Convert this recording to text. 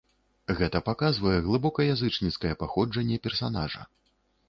Гэта паказвае глыбока язычніцкае паходжанне персанажа.